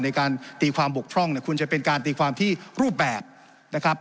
ในการตีความบกพร่องเนี่ยคุณจะเป็นการตีความที่รูปแบบนะครับ